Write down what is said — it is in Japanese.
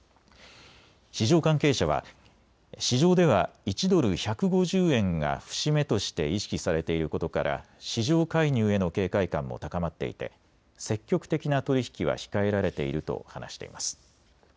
市場関係者は市場では１ドル１５０円が節目として意識されていることから市場介入への警戒感も高まっていて積極的な取り引きは控えられていると話しています。